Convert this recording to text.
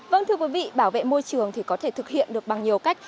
vâng thưa quý vị bảo vệ môi trường thì có thể thực hiện được bằng nhiều cách